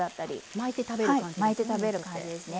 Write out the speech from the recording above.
巻いて食べる感じですね。